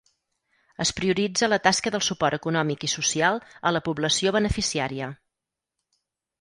Es prioritza la tasca del suport econòmic i social a la població beneficiària.